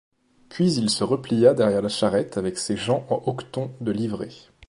Puis il se replia derrière la charrette avec ses gens en hoquetons de livrée.